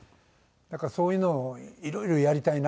だからそういうのをいろいろやりたいなって。